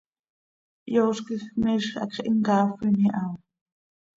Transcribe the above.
Yooz quij miizj hacx him caafin iha.